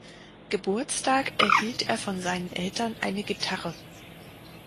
Geburtstag erhielt er von seinen Eltern eine Gitarre.